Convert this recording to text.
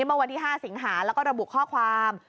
เมื่อวันที่๕สิงหาแล้วก็ระบุข้อความ